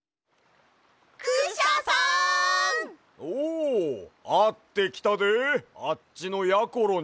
おあってきたであっちのやころに。